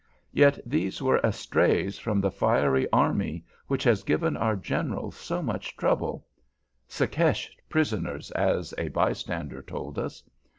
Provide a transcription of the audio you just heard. Yet these were estrays from the fiery army which has given our generals so much trouble, "Secesh prisoners," as a bystander told us.